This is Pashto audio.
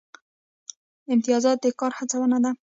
امتیازات د کار هڅونه ده